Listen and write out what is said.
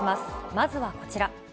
まずはこちら。